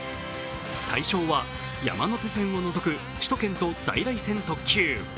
対象は山手線を除く首都圏と在来線特急。